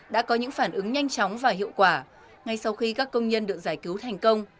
đã có những phản ứng nhanh chóng và hiệu quả ngay sau khi các công nhân được giải cứu thành công